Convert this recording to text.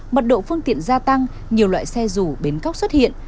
mật độ phương tiện gia tăng nhiều loại xe rủ bến cóc xuất hiện